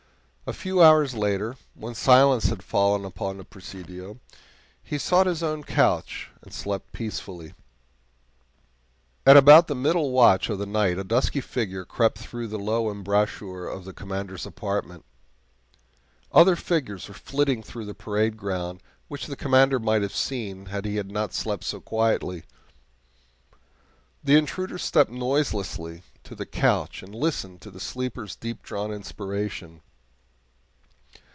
A few hours later, when silence had fallen upon the Presidio, he sought his own couch and slept peacefully. At about the middle watch of the night a dusky figure crept through the low embrasure of the Commander's apartment. Other figures were flitting through the parade ground, which the Commander might have seen had he not slept so quietly. The intruder stepped noiselessly to the couch and listened to the sleeper's deep drawn inspiration.